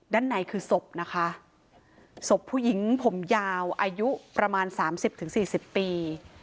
ด้านในคือศพนะคะศพผู้หญิงผมยาวอายุประมาณ๓๐๔๐ปี